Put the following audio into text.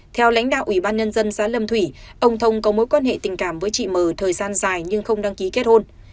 theo lãnh đạo ủy ban nhân dân xã lâm thủy ông thông có mối quan hệ tình cảm với chị mờ thời gian dài nhưng không đăng ký kết hôn